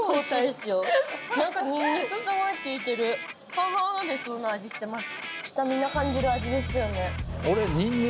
パワー出そうな味してます。